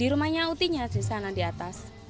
di rumahnya utinya di sana di atas